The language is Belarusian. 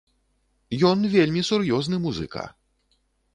Ён вельмі сур'ёзны музыка!